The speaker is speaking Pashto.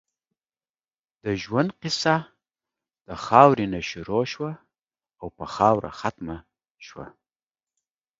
د ژؤند قیصه د خاؤرې نه شروع شوه او پۀ خاؤره ختمه شوه